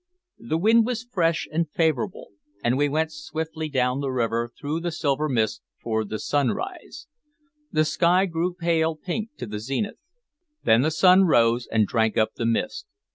The wind was fresh and favorable, and we went swiftly down the river through the silver mist toward the sunrise. The sky grew pale pink to the zenith; then the sun rose and drank up the mist.